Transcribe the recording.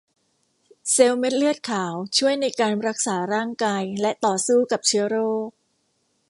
เซลล์เม็ดเลือดขาวช่วยในการรักษาร่างกายและต่อสู้กับเชื้อโรค